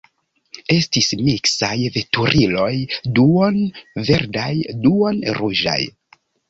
Estis miksaj veturiloj duon-verdaj, duon-ruĝaj.